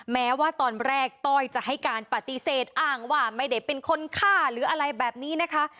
แม้ว่าตอนแรกต้อยจะให้การปฏิเสธอ้างว่าไม่ได้เป็นคนฆ่าหรืออะไรแบบนี้นะคะ